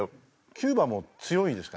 キューバも強いんですか？